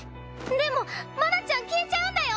でも麻奈ちゃん消えちゃうんだよ！